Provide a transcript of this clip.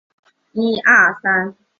两栖车辆大致上可分为军用及民用。